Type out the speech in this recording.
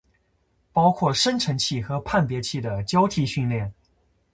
包括生成器和判别器的交替训练